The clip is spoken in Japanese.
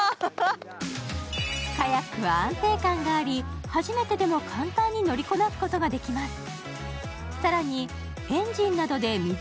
カヤックは安定感があり初めてでも簡単に乗りこなすことができます。